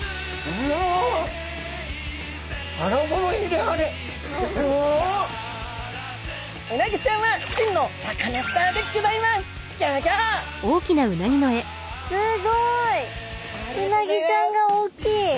うなぎちゃんが大きい！